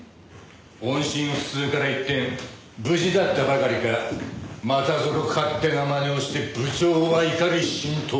音信不通から一転無事だったばかりかまたぞろ勝手なまねをして部長は怒り心頭。